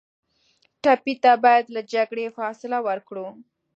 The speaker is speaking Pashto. ټپي ته باید له جګړې فاصله ورکړو.